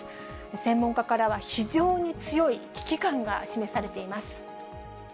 専門家からは非常に強い危機感が示されています。